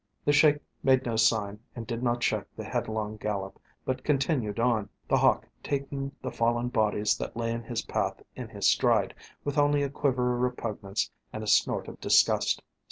The Sheik made no sign and did not check the headlong gallop, but continued on, The Hawk taking the fallen bodies that lay in his path in his stride, with only a quiver of repugnance and a snort of disgust.